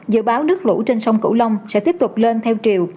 dự báo nước lũ trên sông cửu long sẽ tiếp tục lên theo chiều